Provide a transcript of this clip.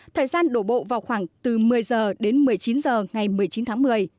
thời gian đổ bộ vào khoảng từ một mươi h đến một mươi chín h ngày một mươi chín tháng một mươi